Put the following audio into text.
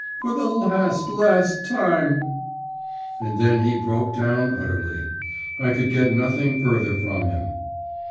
For the last, last time!" And then he broke down utterly. I could get nothing further from him.